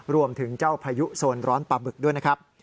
รวมถึงเจ้าพายุโซนร้อนปลาบึกด้วยนะครับ